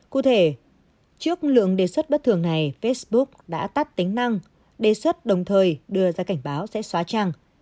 cụ thể trước lượng đề xuất bất thường này facebook đã tắt tính năng đề xuất đồng thời đưa ra cảnh báo sẽ xóa trang